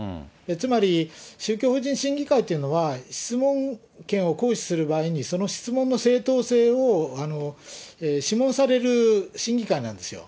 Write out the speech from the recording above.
つまり、宗教法人審議会というのは、質問権を行使する場合に、その質問の正当性を諮問される審議会なんですよ。